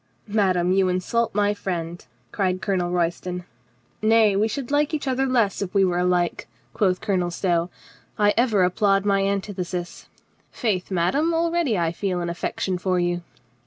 "Madame, you insult my friend," cried Colonel Royston. "Nay, we should like each other less if we were LADY LEPE MEETS TWIN BRETHREN 13 alike," quoth Colonel Stow. "I ever applaud my antithesis. Faith, madame, already I feel an affec tion for you."